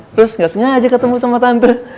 terus nggak sengaja ketemu sama tante